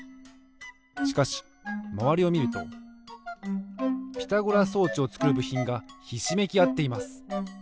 しかしまわりをみるとピタゴラ装置をつくるぶひんがひしめきあっています。